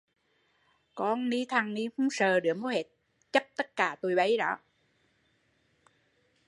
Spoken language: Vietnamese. Con ni thằng ni không sợ đứa mô hết, chấp tất cả bây đó